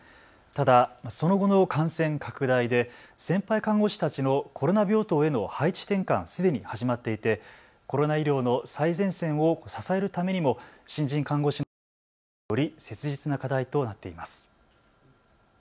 ただその後の感染拡大で先輩看護師たちのコロナ病棟への配置転換はすでに始まっていてコロナ医療の最前線を支えるためにも新人看護師の育成はより切実な課題となっています。